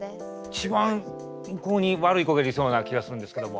一番向こうに悪い子がいそうな気がするんですけども。